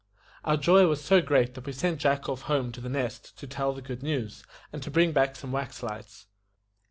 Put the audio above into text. Our joy was so great that we sent Jack off home to The Nest to tell the good news, and to bring back some wax lights.